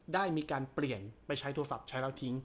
ได้มีการเปลี่ยนไปใช้โทรศัพท์ใช้แล้วทิ้ง